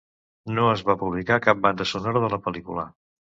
No es va publicar cap banda sonora de la pel·lícula.